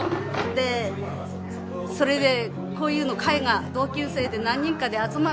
でそれで「こういう会が同級生で何人かで集まるけど」